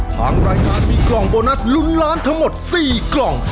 ทางรายการมีกล่องโบนัสลุ้นล้านทั้งหมด๔กล่อง